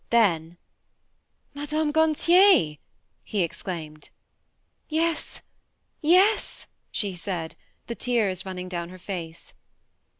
Then "Madame Gantier !" he exclaimed. "Yes, yes," she said, the tears run ning down her face.